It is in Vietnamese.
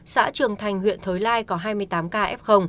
xã trường thành huyện thới lai có hai mươi tám ca f